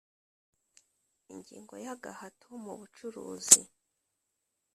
ingingo ya agahato mu bucuruzi